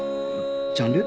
ジャンル？